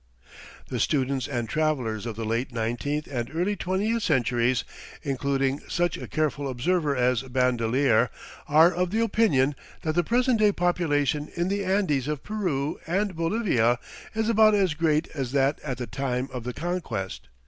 The students and travelers of the late nineteenth and early twentieth centuries, including such a careful observer as Bandelier, are of the opinion that the present day population in the Andes of Peru and Bolivia is about as great as that at the time of the Conquest.